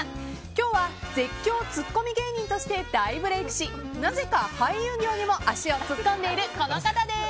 今日は絶叫ツッコミ芸人として大ブレークし、なぜか俳優業にも足を突っ込んでいるこの方です。